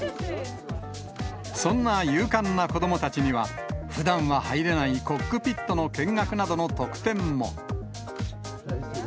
そんな勇敢な子どもたちには、ふだんは入れないコックピットの見学などの特典も。